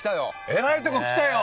えらいとこ来たよ！